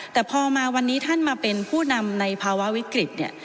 แต่พอมาวันนี้ท่านมาเป็นผู้นำในภาวะวิกฤตเนี่ย